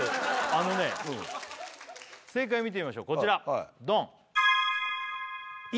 あのねうん正解見てましょうこちらはいはいドン！